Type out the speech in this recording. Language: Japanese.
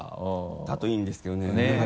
だといいんですけどね。ねぇ。